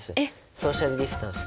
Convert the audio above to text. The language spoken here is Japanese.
ソーシャルディスタンス。